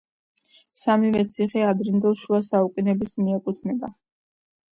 სამივე ციხე ადრინდელ შუა საუკუნეებს მიეკუთვნება.